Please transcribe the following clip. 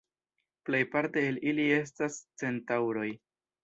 Plejparte el ili estas Centaŭroj.